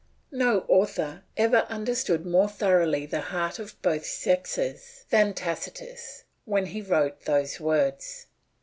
No author ever understood more thoroughly the heart of both sexes than Tacitus when he wrote those words.